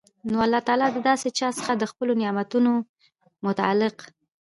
نو الله تعالی د داسي چا څخه د خپلو نعمتونو متعلق